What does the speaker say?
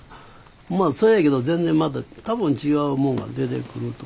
まあそうやけど全然また多分違うもんが出てくると思う。